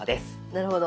なるほど。